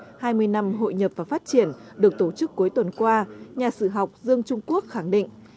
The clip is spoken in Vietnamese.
hà nội thành phố vì hòa bình hai mươi năm hội nhập và phát triển được tổ chức cuối tuần qua nhà sử học dương trung quốc khẳng định